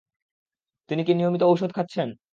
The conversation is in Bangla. তিনি কি নিয়মিত ঔষুধ খাচ্ছেন?